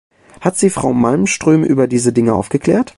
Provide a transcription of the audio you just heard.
Hat Sie Frau Malmström über diese Dinge aufgeklärt?